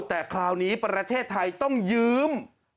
แต่คราวนี้ประเทศไทยต้องยืม